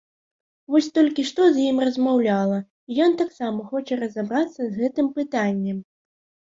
Вось толькі што з ім размаўляла, і ён таксама хоча разабрацца з гэтым пытаннем!